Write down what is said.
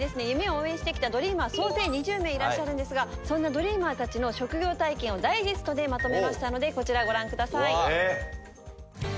夢を応援してきたドリーマー総勢２０名いらっしゃるんですがそんなドリーマーたちの職業体験をダイジェストでまとめましたのでこちらご覧ください。